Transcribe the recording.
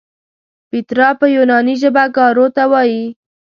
پیترا په یوناني ژبه ګارو ته وایي.